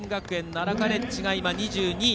奈良カレッジが２２位。